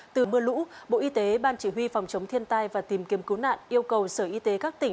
từ mưa lũ bộ y tế ban chỉ huy phòng chống thiên tai và tìm kiếm cứu nạn yêu cầu sở y tế các tỉnh